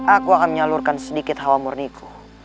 aku akan menyalurkan sedikit hawa murniku